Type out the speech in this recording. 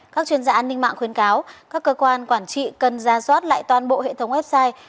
các chuyên gia an ninh mạng khuyến cáo các cơ quan quản trị cần ra soát lại toàn bộ hệ thống website